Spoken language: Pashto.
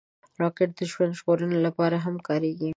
راکټ د ژوند ژغورنې لپاره هم کارېږي